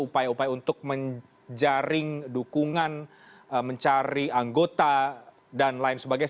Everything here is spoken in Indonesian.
upaya upaya untuk menjaring dukungan mencari anggota dan lain sebagainya